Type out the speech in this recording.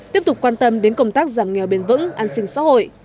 tiếp tục quan tâm đến công tác giảm nghèo bền vững an sinh xã hội